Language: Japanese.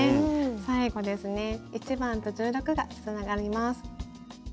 最後ですね１番と１６がつながります。